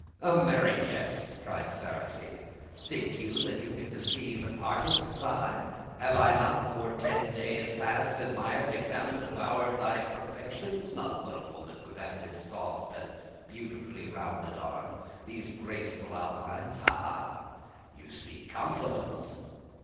"'A merry jest!' cried Sarrasine. 'Think you that you can deceive an artist's eye? Have I not, for ten days past, admired, examined, devoured, thy perfections? None but a woman can have this soft and beautifully rounded arm, these graceful outlines. Ah! you seek compliments!